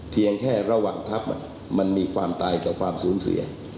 เพียงแค่ระหว่างทัพมันมีความตายกับความสูญเสีย